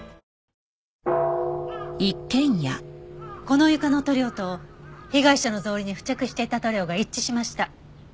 この床の塗料と被害者の草履に付着していた塗料が一致しました。